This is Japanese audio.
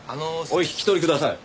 お引き取りください。